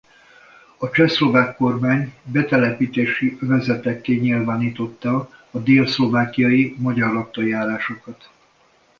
A csehszlovák kormány betelepítési övezetekké nyilvánította a dél-szlovákiai magyar lakta járásokat.